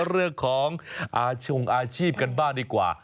เรื่องของอาชงอาชีพกันบ้างดีกว่า